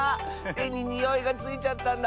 てににおいがついちゃったんだ。